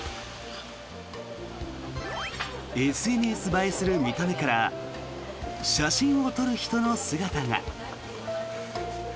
ＳＮＳ映えする見た目から写真を撮る人の姿が。